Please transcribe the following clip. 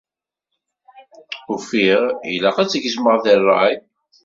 Ufiɣ ilaq ad tt-gezmeɣ deg rray.